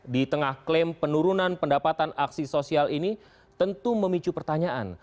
di tengah klaim penurunan pendapatan aksi sosial ini tentu memicu pertanyaan